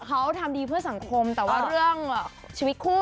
เขาทำดีเพื่อสังคมแต่ว่าเรื่องชีวิตคู่